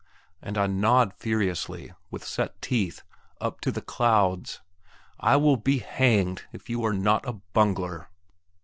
and I nod furiously, with set teeth, up to the clouds; "I will be hanged if you are not a bungler."